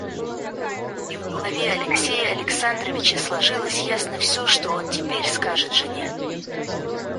И в голове Алексея Александровича сложилось ясно всё, что он теперь скажет жене.